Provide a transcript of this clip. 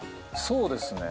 そうですね。